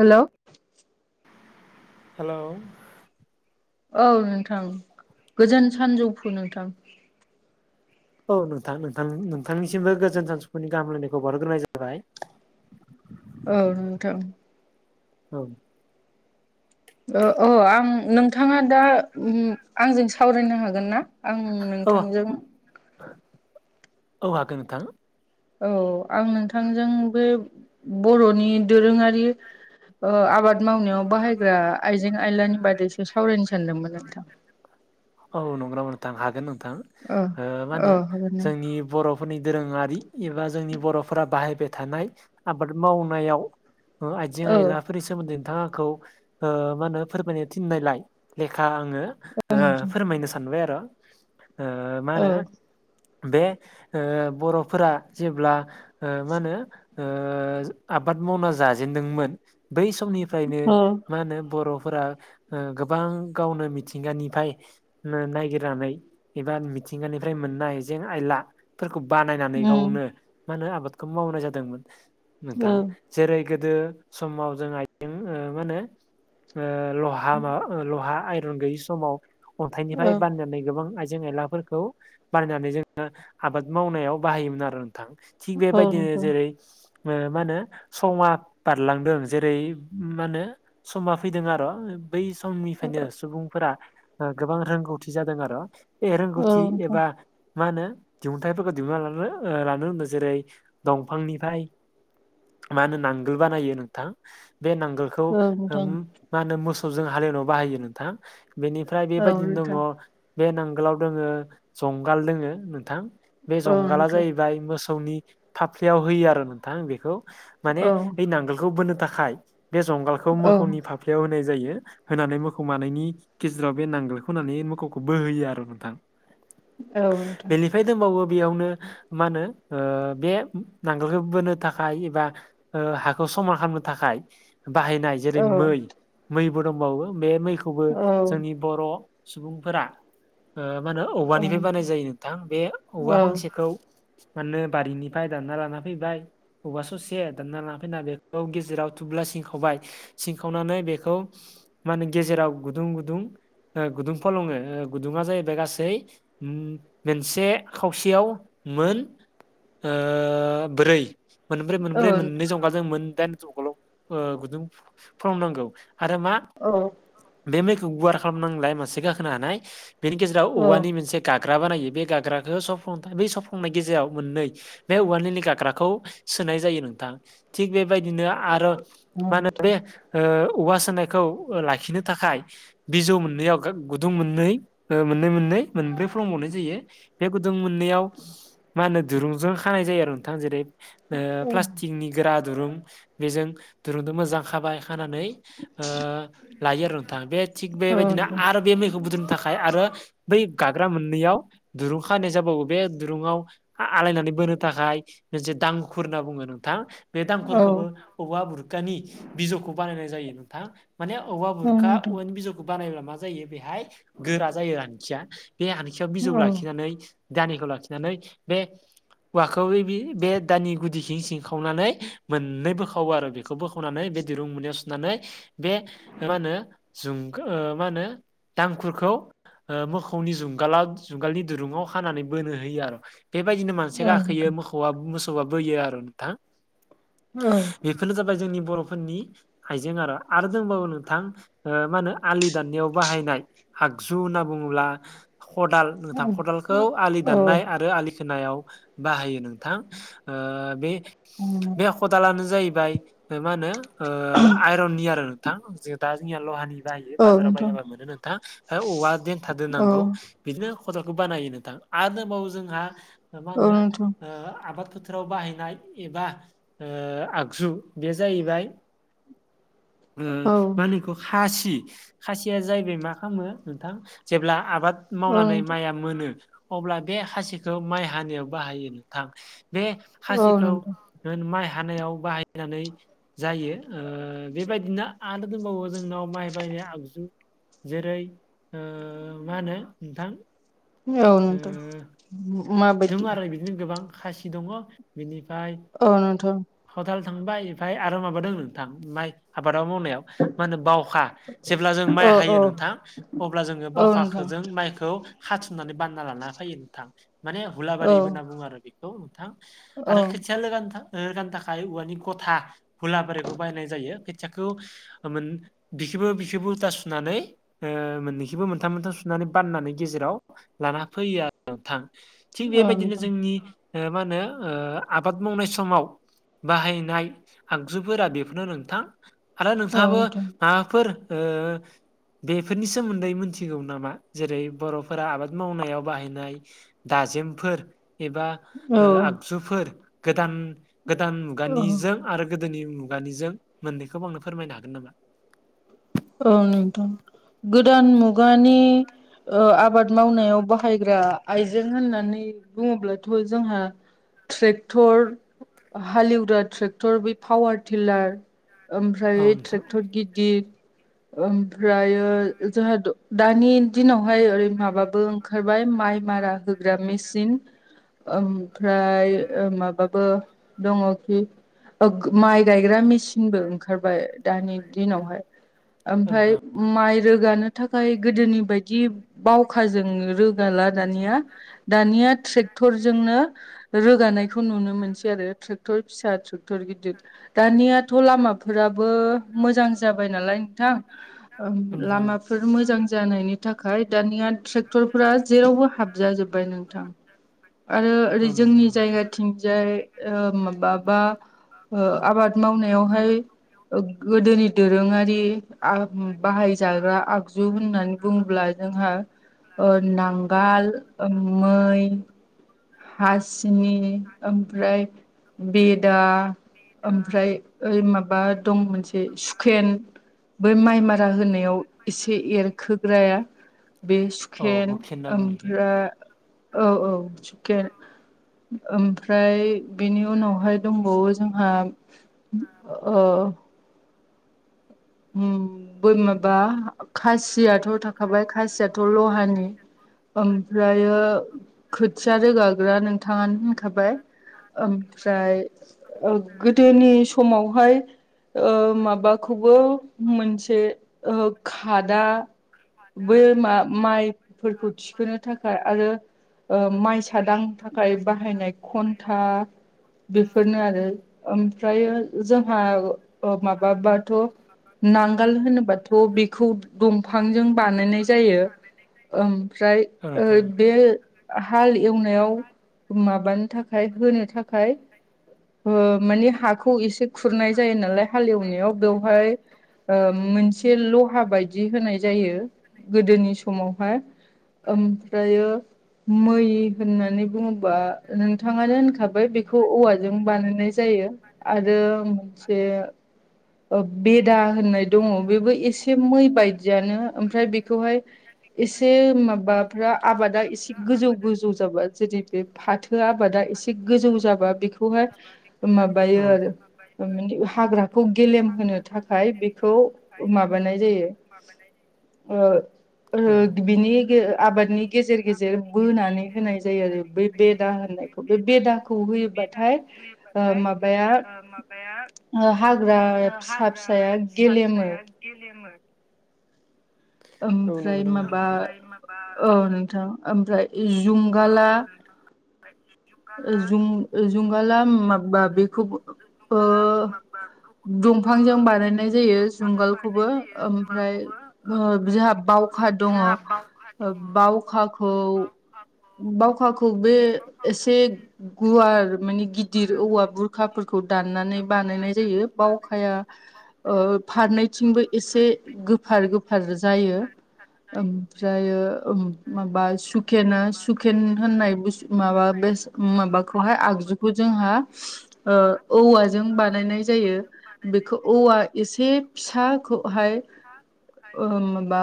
Hello hello औ नोंथां गोजोन सानजौफु नोंथां। औ नोंथां नोंथां नोंथांनिसिमबो गोजोन सानजुफुनि गाहाम हामलायनायखौ बारहग्रोनाय जाबाय। औ नोंथां औ अ ओ आं नोंथाङा दा उम आंजों सावरायनो हागोन ना आं औ नोंथांजों औ हागोन नोंथां। औ आं नोंथांजों बे बर'नि दोरोङारि ओ आबाद मावनायाव बाहायग्रा आइजें आयलानि बादैसो सावरायनो सानदोंमोन नोंथां। औ नंगौ नोंथां हागोन नोंथां औ मा औ होने हागोन जोंनि बर' फोरनि दोरोङारि एबा जोंनि बर'फोरा बाहायबाय थानाय आबाद मावनायाव अ आयजें औ आयला फोरनि सोमोन्दै नोंथाङा आंखौ ओ मा होनो फोरमायनो थिननायलाय लेखा आङो ओ नोंथां फोरमायनो सानबाय आरो ओ मा औ होनो बे ओ बर'फोरा जेब्ला ओ मा होनो ओ आबाद मावना जाजेनदोंमोन बै समनि फ्रायनो औ मा होनो बर'फोरा ओ गोबां गावनो मिथिंगानिफ्राय ना नायगिरनानै एबा मिथिंगानिफ्राय मोननाय जें आयला फोरखौ बानायनानै उम गावनो मा होनो आबादखौ मावनाय जादोंमोन औ नोंथां। जेरै गोदो समाव जों आइजें ओ मा होनो ओ लहा बा ओ लहा आइरन गैयि समाव औ अन्थाइनिफ्राय बानायनानै गोबां आइजें आइलाफोर खौ बानायनानै जोङो आबाद मावनायाव बाहायोमोन आरो नोंथां थिग औ बेबायदिनो नोंथां जेरै- मा होनो समा बारलांदों जेरै मा होनो समा फैदों आरो बै समनिफ्रायनो सुबुंफोरा गोबां रोंगौथि जादों आरो औ रोंगौथि नोंथां एबा मा होनो दिहुनथाइफोरखौ दिहुनना लानो ओ लानो रोंदों जेरै दंफांनिफ्राय मा होनो नांगोल बानायो नोंथां बे नांगोल खौ औ नोंथां मा होनो मोसौजों हालौनायाव बाहायो नोंथां बेनि ओमफ्राय औ बेबायदिनो दङ नोंथां बे नांगोलाव दङो जंगाल दोङो नोंथां बे औ जंगाला नोंथां जाहैबाय मोसौनि फाफ्लियाव होयो आरो नोंथां बेखौ माने औ बै नांगोलखौ बोनो थाखाय बे जंगालखौ औ मोखौनि फा फ्रियाव होनाय जायो होनानै मोसौ मानैनि गे जेराव बे नांगोलखौ होनानै मोसौखौ बोहोयो आरो नोंथां‌ औ। फ्राय दंबावो बेयावनो मा होनो बे नांगोलखौ बोनो थाखाय एबा ओ हाखौ समान खालामनो थाखाय बाहायनाय। जेरै- औ मै मैबो दंबावो बे मैखौबो औ जोंनि बर' सुबुंफोरा ओ मा होनो औ औवानिफ्राय बानाय जायो नोंथां बे औ औवा फांसेखौ माने बारिनिफ्राय दानना लाना फैबाय औवा ससे दानना लांना फैना बेखौ गेजेराव थुब्ला सिंखावबाय। सिंखावनानै बेखौ माने गेजेराव गुदुं गुदुं गुदुं फलंङो गुदुङा जाहैबाय गासै मोनसे खावसेयाव मोन ओ ब्रै मोनब्रै मोनब्रै मोननै औ जंगाजों मोन दाइन जंगाल' गुदुं फलंनांगौ आरो मा औ बे मैखौ गुवार खालामनांलाय मानसि गाखोनो हानाय बेनि गेजेराव औ औवानि मोनसे गाग्रा बानायो बे गाग्राखौ सफ्लंनाय बै सफ्लंनाय गेजेराव मोननै बे औवा नोलि गाग्राखौ सोनाय जायो नोंथां। थिग बेबायदिनो आरो मा होनो नोंथां बे ओ औवा सोनायखौ लाखिनो थाखाय बिजौ मोननैयाव गुदुं मोननै मोननै मोननै मोनब्रै फ्लंबावनाय जायो बे गुदुं मोननैयाव मा होनो दुरुंजों खानाय जायो आरो नोंथां जेरै - ओ औ प्लास्टिकनि गोरा दुरुं बेजों दुरुंजों' मोजां खाबाय खानानै ओ लायो आरो नोंथाङा बे थिग बेबायदिनो औ आरो बे मैखौ बुद्रुनो थाखाय आरो बै गाग्रा मोननैयाव दुरुं खानाय जाबावो बे दुरुंआव आलायनानै बोनो थाखाय मोनसे दांखुर होनना बुङो नोंथां। बे दांखुरखौबो औवा बुरखानि बिजौखौ बानायनाय जायो नोंथां। माने औवा बुरखा नोंथां औवानि बिजौखौ बानायब्ला मा जायो बेहाय गोरा जायो आनखिया बे आनखियाव बिजौ लाखिनानै दानिखौ लाखिनानै बे औवाखौ बे दानि गुदिथिं सिंखावनानै मोननै बोखावो आरो बे खौ बोखांनानै बे दिरुं मोननैयाव सोनानै बे मा होनो जुंग मा होनो दांखुरखौ ओ मोसौनि जुंगालाव जुंगालनि दुरुंङाव खानानै बोनो होयो आरो बेबायदिनो मानसिया गाखोयो मोसौआ मोसौआ बोयो आरो नोंथां। बेफोरनो जाबाय जोंनि बर'फोरनि आइजें आरो आरो दंबावो नोंथां ओ मा होनो आलि दान्नायाव बाहायनाय आगजु होनना बुङोब्ला खदाल नोंथां खदालखौ आलि दाननाय आरो आलि खोनायाव बाहायो नोंथां ओ बे बे खदालानो जाहैबाय मा होनो ओ आइरननि आरो नोंथां। जों दा जोंया लहानि बाहायो बाजाराव बायाबा मोनो नोंथां ओमफ्राय औवा देन्था दोनांगौ बिदिनो खदालखौ बानायो नोंथां आरो दंबावो जोंहा मा होनो आबाद फो बाहायनाय एबा आगजु बे जाहैबाय [inaudible] खासि खासिया जाहैबाय मा खालामो नोंथां जेब्ला आबाद मावनानै माइआ मोनो। अब्ला बे खासिखौ माइ हानायाव बाहायो नोंथां बे खासिखौ औ माइ हानायाव बाहायनानै जायो ओ बेबायदिनो दोनबावो जोंनाव माइ बायनाय आगजु जेरै-मा होनो नोंथां। औ ओ नोंथां मा दङ बायदि आरो बिदिनो गोबां खासि दङ बिनिफ्राय औ नोंथां। हटाल थांबाय ओमफफ्राय आरो माबादों नोंथां माइ आबादाव मावनायाव मा होनो बावखा जेब्ला जों माइ औ हायो औ नोंथां। अब्ला जोङो औ बावखाखो नोंथां जों माइखौ हाथुमनानै बानाय लाना फैायो नोंथां माने औ हुलाबारिबो होनना बुङो आरो बेखौ नोंथां औ आरो खोथिया लोगो नोंथां गाननो थाखाय औवानि गथा भुला बोरारिखौ बायनाय जायो खोथियाखौ बिखोबो बिखोबो उल्था सुनानै मोननैखिबो मोनथाम मोनथाम सुनानै बाननानै गेजेराव लाना फैयो आरो औ थां थिग बेबायदिनो नोंथां जोंनि मा होनो आबाद मावनाय समाव बाहायनाय आगजुफोरा बेफोरनो नोंथां आरो औ नोंथाङाबो नोंथां माबाफोर ओ बेफोरनि सोमोन्दै मिथिगौ नामा जेरै बर'फोरा आबाद मावनायाव बाहायनाय दाजेमफोर एबा औ आगजुफोर गोदान गोदान औ मुगानिजों आरो गोदोनि मुगानिजों मोननैखौबो आंनो फोरमायनो हागोन नामा औ नोंथां गोदान मुगानि आबाद मावनायाव बाहायग्रा आइजें होननानै बुङोब्लाथ' जोंहा ट्रेक्टर हालेवग्रा ट्रेक्टर बे पावार टिलार औ ओमफ्राय नोंथां ट्रेक्टर गिदिर ओमफ्र जोंहा दानि दिनावहाय ओरै माबाबो ओंखारबाय माइ मारा होग्रा मेसिन ओमफ्राय माबाबो दङखि माइ गायग्रा मेसििनबो ओंखारबाय दानि दिनावहाय औ ओमफ्राय नोंथां माइ रोगानो थाखाय गोदोनि बायदि बावखाजों रोगाला दानिया दानिया ट्रेक्टरजोंनो रोगानायखौ नुनो मोनसै आरो ट्रेक्टर फिसा ट्रेट क्टर गिदिर दानियाथ' लामाफोराबो मोजां जाबाय नालाय नोंथां। औ नोंथां औ लामाफोर मोजां जानायनि थाखाय दानिया ट्रेक्टर फोर जेरावबो हाब जाजोब्बाय नोंथां। आरो ओरै औ नंगौ जोंनि नंगौ नोंथां जायगाथिंजाय माबाबा आबाद मावनायावहाय गोदोनि दोरोङारि बाहायजाग्रा आगजु होननानै बुङोब्ला जोंहा नांगाल मै हासिनि ओमफ्राय बिदा ओमफ्राय ओइ माबा दं मोनसे कुकेन बै माइ मारा होनायाव एसे एरखोग्राया बे औ सुकेन हुखेन होनना बुङो इखो ओमफ्राय औ औ सुकेन ओमफ्राय बेनि उनावहाय दंबावो जोंहा ओ ब माबा खासियाथ' थाखाबाय खासियाथ' लहानि ओमफ्रायो खोथिया रोगाग्रा नोंथाङानो होनखाबाय ओमफ्राय गोदोनि समावहाय ओ माबाखौ मोनसे खादा बै मा माइफोरखौ थिखोनो थाखाय आरो ओ माइसादां थाखाय बाहायनाय खन्था बेफोरनो आरो ओमफ्रायो जोंहा माबाबाथ नांगाल होनोबाथ बेखौ दंफांजों बानायनाय जायो ओमफ्राय औ ओ नोंथां बे हाल एवनायाव माबानो थाखाय होनो थाखाय ओ मानि हाखौ एसे खुरनाय जायो नालाय हालेवनायाव बेवहाय ओ मोनसे लहा बायदि होनाय जायो गोदोनि समावहाय ओमफ्रायो मै होननानै बुङोबा नोंथाङानो होनखाबाय बेखौ औवाजों बानायनाय जायो आरो मोनसे ओ बे दा होननाय दङ बेबो एसे मै बायदियानो ओमफ्राय बेखौहाय एसे माबाफ्रा आबादा एसे गोजौ गोजौ जाबा जेरै बे फाथो आबादा एसे गोजौ जाबा बेख खौहाय माबायो औ आरो माने हाग्राखौ गेलेम होनो थाखाय बेखौ माबानाय जायो ओ ओ औ बिनि आबादनि गेजेर गेजेर बोनानै होनाय जायो आरो बेै बे दा होननाय बे बेदाखौ होयोबाथाय ओ होयोबाथाय माबाया ओ माबाया ओ हाग्रा ओ फिसा फिसाया गेलेमो गेलेमो नंगौ ओमफ्राय नामा माबा नोंथां औ नोंथां ओमफ्राय जुंगाला जुं- जुंगाला माबा बेखौ ओ दंफांजों बानायनाय जायो जुंगालखौबो ओमफ्राय ओ जोंहा बावखा दङ बावखाखौ बावखाखौ बे एसे गुवार माने गिदिर औवा बुरखाफोरखौ दाननानै बानायनाय जायो बावखाया ओ फारनैथिंबो एसे गोफार गोफार जायो ओमफ्रायो माबा सुखेना सुखेन होननाय बुुस माब [unintelligible] बे माबाखौहाय आगजुखौ जोंहा ओ औवाजों बानायनाय जायो बेखौ औवा एसे फिसाखौहाय ओ माबा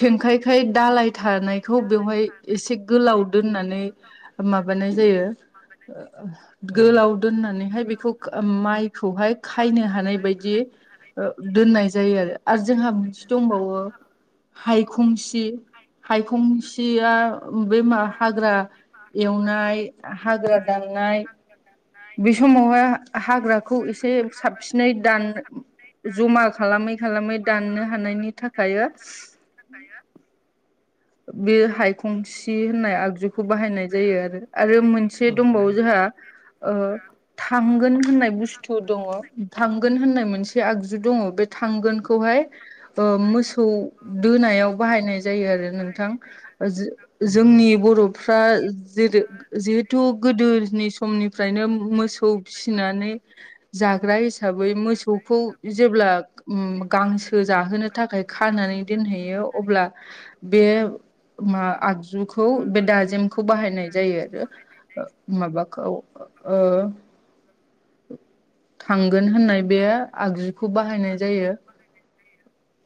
खेंखायखाय दाालाय थानायखौ बेवहाय एसे गोलाव दोननानै माबानाय जायो ओं औ गोलाव दोननानैहाय बेखौ माइखौहाय खायनो हानाय बायदि दोननाय जायो आरो आरो जोंहा मोनसे दंबावो हायखंसि हायखंसिया बे मा हाग्रा एवनाय हाग्रा दाननाय बे समावहाय हाग्राखौ एसे साबसिनै दान जमा खालामै खालामै दाननो हानायनि थाखायो बे हाय खंसि होननाय आगजुखौ बाहायनाय जायो आरो आरो मोनसे दंबावो नोंथां जोंहा ओ। थांगोन होननाय बुस्थु दङ थांगोन होननाय मोनसे आगजु दङ बे थांगोनखौहाय। मोसौ दोनायाव बाहायनाय जायो आरो। नोंथां जों औ जोंनि बर'फ्रा। जेरै जिहेथु गोदोनि समनिफ्रायनो मोसौ फिसिनानै। जाग्रा हिसाबै मोसौखौ जेब्ला। उम गांसो जाहोनो थाखाय खानानै दोनहैयो अब्ला बे मा आगजुखौ बे दाजेमखौ बाहायनाय जायो आरो माबाखौ ओ थांगोन होननाय बे आगजुखौ बाहायनाय जायो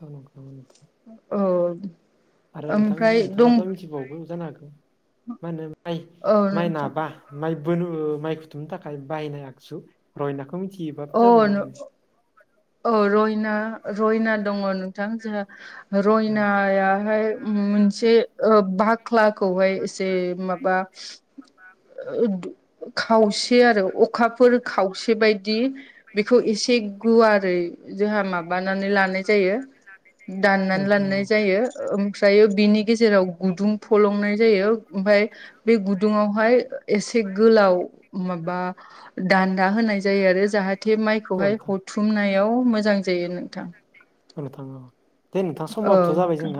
औ नोंथां औ नंगौ नोंथां औ आरो नोंथांमोन ओमफ्राय दं नोंथाङाथ मिथिबावगो जानो हागौ मा होनो माइ औ माइ नोंथां नाबा माइ बोनो माइ खुथुमनो थाखाय बाहायनो आखसु रयनाखौ मिथियोब औ थाबायनो आंनो। औ रयना रयना दङ नोंथां जोंहा औ रयनायाहाय मोनसे ओ बाख्लाखौहाय एसे माबा [inaudible] खावसे आरो अखाफोर खावसे बायदि बेखौ एसे गुवार। ओरै जोंहा माबानानै लानाय जायो दाननानै नोंथां औ लानाय जायो। ओमफ्रायो बिनि गेजेराव गुदुं फलंनाय जायो ओमफफ्राय। बे गुदुङावहाय एसे गोलाव माबा दान्दा होनाय। जायो आरो जाहाथे औ माइखौहाय नोंथां हथुमनायाव मोजां जायो नोंथां। मानो थाङा? औ नोंथां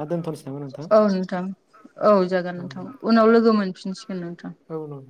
नामा नोंथां औ नोंथां औ जागोन नोंथां। उनाव लोगो मोनफिनसिगोन नोंथां। औन औ।